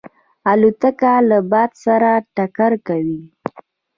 الوتکه له باد سره ټکر کوي.